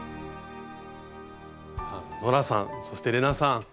さあノラさんそして玲奈さん